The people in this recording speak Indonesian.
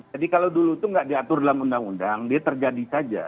jadi kalau dulu itu gak diatur dalam undang undang dia terjadi saja